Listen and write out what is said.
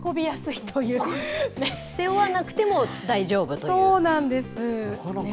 背負わなくても大丈夫というそうなんです。